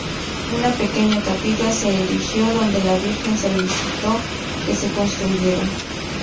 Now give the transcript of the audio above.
Una pequeña capilla se erigió donde la Virgen solicitó que se construyera.